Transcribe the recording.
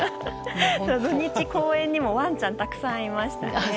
土日、公園にもワンちゃんたくさんいましたね。